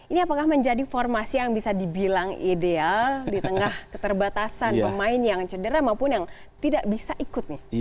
ini apakah menjadi formasi yang bisa dibilang ideal di tengah keterbatasan pemain yang cedera maupun yang tidak bisa ikut nih